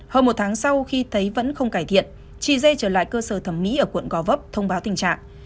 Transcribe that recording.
hơn một tháng sau khi thấy vẫn không cải thiện chị dây trở lại cơ sở thẩm mỹ ở quận gò vấp thông báo tình trạng